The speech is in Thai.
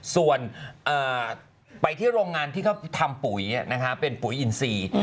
ส่วนไปที่โรงงานที่เขาทำปุ๋ยเป็นปุ๋ยอินซี